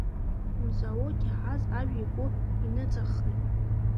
Мзауҭ иаҳаз ажәа игәы иныҵаххит.